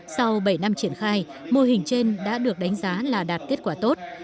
sau bảy năm triển khai mô hình trên đã được đánh giá là đạt kết quả tốt